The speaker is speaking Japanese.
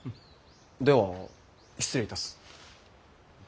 では失礼いたす。